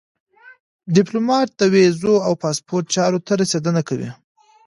ډيپلومات د ویزو او پاسپورټ چارو ته رسېدنه کوي.